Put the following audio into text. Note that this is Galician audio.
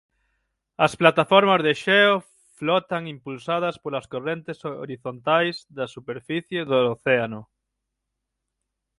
As plataformas de xeo flotan impulsadas polas correntes horizontais da superficie do océano.